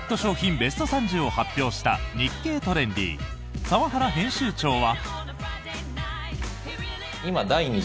ベスト３０を発表した「日経トレンディ」澤原編集長は。